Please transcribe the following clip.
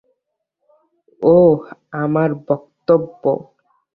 ওহ, আমার বক্তব্য!